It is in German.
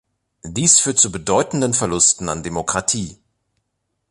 Dies führt zu bedeutendenden Verlusten an Demokratie.